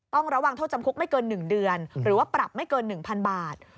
ต้องระวังโทษจำคุกไม่เกิน๑เดือนหรือว่าปรับไม่เกิน๑๐๐๐บาท